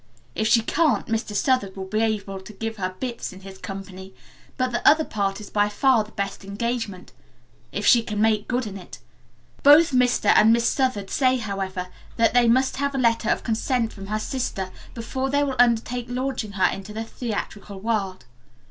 If she can't, Mr. Southard will be able to give her 'bits' in his company, but the other part is by far the best engagement if she can make good in it. Both Mr. and Miss Southard say, however, that they must have a letter of consent from her sister before they will undertake launching her in the theatrical world.